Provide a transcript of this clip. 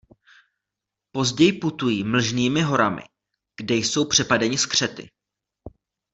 Později putují mlžnými horami, kde jsou přepadeni skřety.